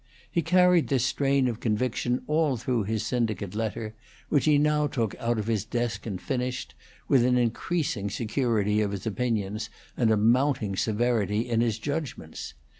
He carried this strain of conviction all through his syndicate letter, which he now took out of his desk and finished, with an increasing security of his opinions and a mounting severity in his judgments.